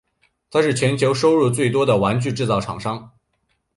它是全球收入最多的玩具制造商。